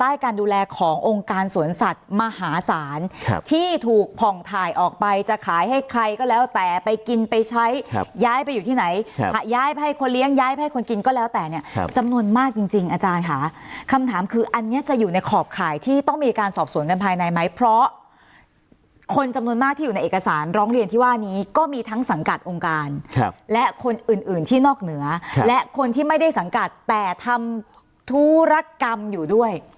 ที่ถูกผ่องถ่ายออกไปจะขายให้ใครก็แล้วแต่ไปกินไปใช้ย้ายไปอยู่ที่ไหนย้ายไปให้คนเลี้ยงย้ายไปให้คนกินก็แล้วแต่เนี่ยจำนวนมากจริงจริงอาจารย์ค่ะคำถามคืออันนี้จะอยู่ในขอบข่ายที่ต้องมีการสอบสวนกันภายในไหมเพราะคนจำนวนมากที่อยู่ในเอกสารร้องเรียนที่ว่านี้ก็มีทั้งสังกัดองค์การครับและคนอื่นอื่นที่นอกเหนือและคนที่ไม่ได้สังกัดแต่ทำธุรกรรมอยู่ด้วย